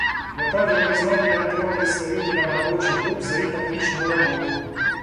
Я также признателен трем председателям рабочих групп за их отличную работу.